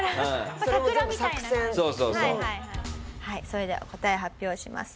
それでは答え発表します。